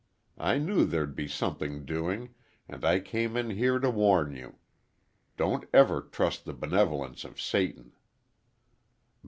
I knew there'd be something doing, and I came in here to warn you. Don't ever trust the benevolence of Satan."